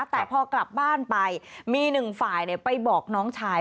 แต่พอกลับบ้านไปมีหนึ่งฝ่ายไปบอกน้องชาย